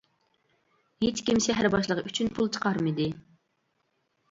ھېچكىم شەھەر باشلىقى ئۈچۈن پۇل چىقارمىدى.